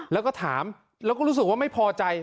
แล้วก็ถามแล้วก็รู้สึกว่าไม่พอใจ